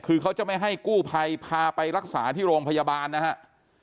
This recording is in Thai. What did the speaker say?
คือเขาจะไม่ให้กู้ภัยพาไปรักษาที่โรงพยาบาลนะฮะ